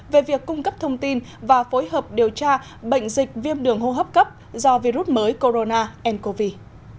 về việc cung cấp thông tin và phối hợp điều tra bệnh dịch viêm đường hô hấp cấp do virus mới corona ncov